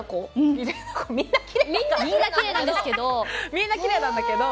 みんなきれいなんですけど。